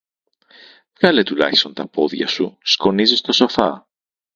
Βγάλε τουλάχιστον τα πόδια σου, σκονίζεις το σοφά.